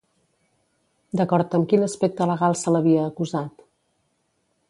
D'acord amb quin aspecte legal se l'havia acusat?